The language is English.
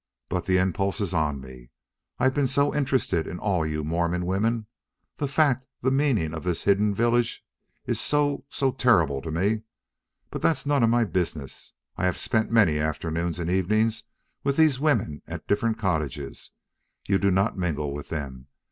But the impulse is on me. I've been so interested in all you Mormon women. The fact the meaning of this hidden village is so so terrible to me. But that's none of my business. I have spent my afternoons and evenings with these women at the different cottages. You do not mingle with them.